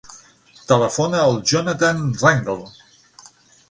Telefona al Jonathan Rangel.